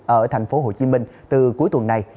ở thành phố hồ chí minh từ cuối tuần này